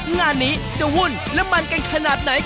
งานนี้จะวุ่นและมันกันขนาดไหน